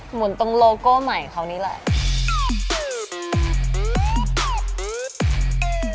เหมือนตรงโลโก้ใหม่เขานี่แหละ